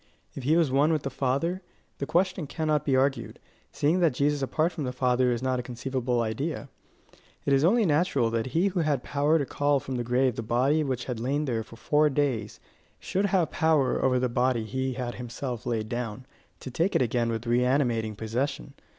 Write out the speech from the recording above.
If he was one with the Father, the question cannot be argued, seeing that Jesus apart from the Father is not a conceivable idea. It is only natural that he who had power to call from the grave the body which had lain there for four days, should have power over the body he had himself laid down, to take it again with reanimating possession.